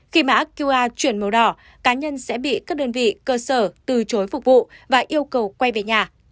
khi mã qr chuyển màu đỏ cá nhân sẽ bị các đơn vị cơ sở từ chối phục vụ và yêu cầu quay về nhà